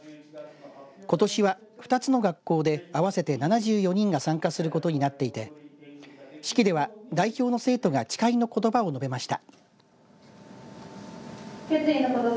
ことしは２つの学校で合わせて７４人が参加することになっていて式では代表の生徒が誓いのことばを述べました。